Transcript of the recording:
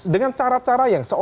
dengan cara cara yang lebih mudah